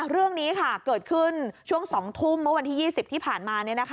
เรื่องนี้เกิดขึ้นช่วง๒ทุ่มเมื่อวันที่๒๐ที่ผ่านมา